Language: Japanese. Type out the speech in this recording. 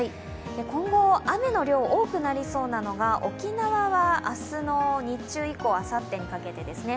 今後、雨の量、多くなりそうなのが、沖縄は明日の日中以降あさってにかけてですね。